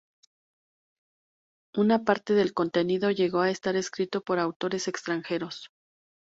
Una parte del contenido llegó a estar escrito por autores extranjeros.